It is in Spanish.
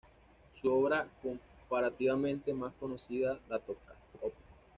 Su obra comparativamente más conocida, la "Toccata, op.